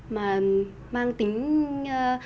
mà mang tính